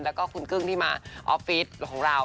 แล้วก็คุณกึ้งที่มาออฟฟิศของเรา